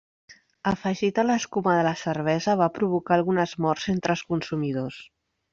Afegit a l'escuma de la cervesa va provocar algunes morts entre els consumidors.